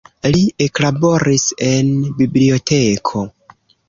Li eklaboris en biblioteko.